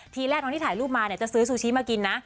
ทีแรกตอนที่ถ่ายรูปมาจะซื้อซูชิมากินนะ